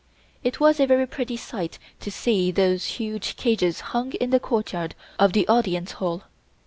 It was a very pretty sight to see those huge cages hung in the courtyard of the Audience Hall.